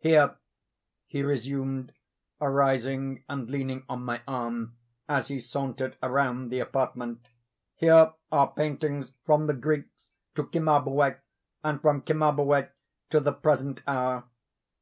"Here," he resumed, arising and leaning on my arm as he sauntered around the apartment, "here are paintings from the Greeks to Cimabue, and from Cimabue to the present hour.